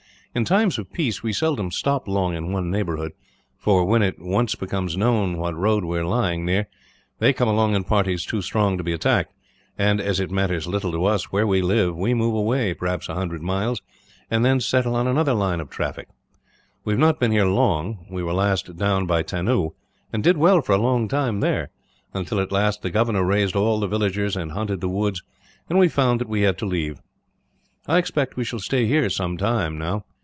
"In times of peace, we seldom stop long in one neighbourhood for, when it once becomes known what road we are lying near, they come along in parties too strong to be attacked and, as it matters little to us where we live, we move away perhaps a hundred miles, and then settle on another line of traffic. We have not been here long; we were last down by Tannoo, and did well for a long time there; until at last the governor raised all the villagers, and hunted the woods, and we found that we had to leave. I expect we shall stay here some time, now.